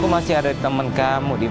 mas lihat deh